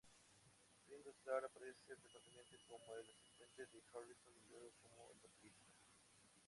Ringo Starr aparece frecuentemente como el "asistente" de Harrison y luego como el baterista.